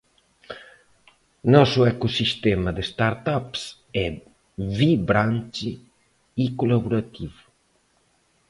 Nosso ecossistema de startups é vibrante e colaborativo.